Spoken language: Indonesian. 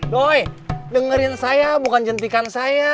doy dengerin saya bukan jentikan saya